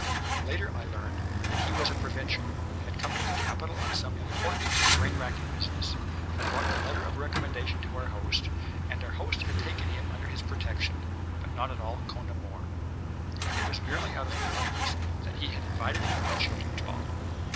Later I learned that he was a provincial, had come to the capital on some important, brain racking business, had brought a letter of recommendation to our host, and our host had taken him under his protection, not at all con amore. It was merely out of politeness that he had invited him to the children's ball.